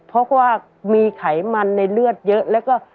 เพราะว่ามีไขมันในเลือดเยอะแล้วก็